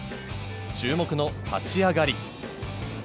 注目の立ち上がり。